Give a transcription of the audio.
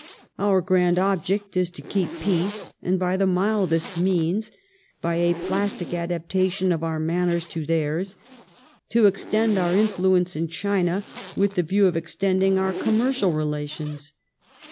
Our grand object is to keep peace, and by the mildest means, by a plastic adaptation of our manners to theu s, to extend our influence in China with the view of extending our commercial relations.